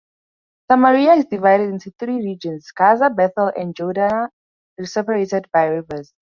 Samaria is divided into three regions, Gaza, Bethel and Jordana, separated by rivers.